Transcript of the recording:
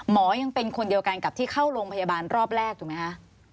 ยังเป็นคนเดียวกันกับที่เข้าโรงพยาบาลรอบแรกถูกไหมคะ